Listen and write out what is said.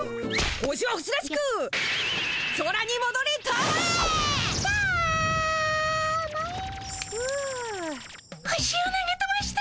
星を投げとばしたっピ。